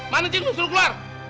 mana cik lo suruh keluar